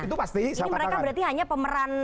itu pasti ini mereka berarti hanya pemeran